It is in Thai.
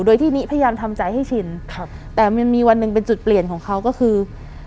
โดยที่นิพยายามทำใจให้ชินครับแต่มันมีวันหนึ่งเป็นจุดเปลี่ยนของเขาก็คือ